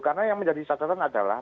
karena yang menjadi sadaran adalah